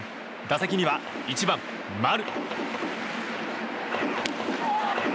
打席には１番、丸。